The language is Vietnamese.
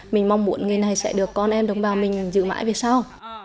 mình mong muộn ngày này sẽ được con em đồng bào mình giữ mãi về sau